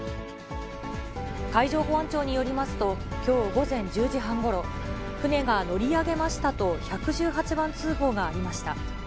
海上保安庁によりますと、きょう午前１０時半ごろ、船が乗り上げましたと１１８番通報がありました。